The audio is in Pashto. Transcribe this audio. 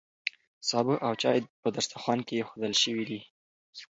سابه او چای په دسترخوان کې ایښودل شوي دي.